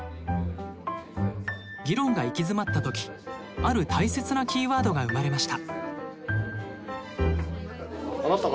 議論が行き詰まった時ある大切なキーワードが生まれました。